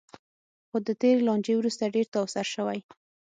خو د تېرې لانجې وروسته ډېر تاوسر شوی.